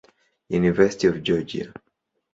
University of Georgia.